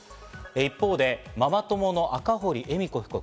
一方でママ友の赤堀恵美子被告。